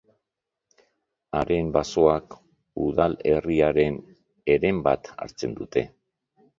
Haren basoek udalerriaren heren bat hartzen dute.